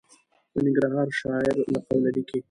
د ننګرهاري شاعر له قوله لیکي.